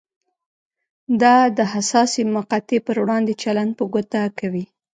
دا د حساسې مقطعې پر وړاندې چلند په ګوته کوي.